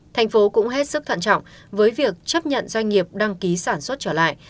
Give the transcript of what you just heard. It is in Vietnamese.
thành phố cũng hết sức thận trọng với việc chấp nhận doanh nghiệp đăng ký sản xuất trở lại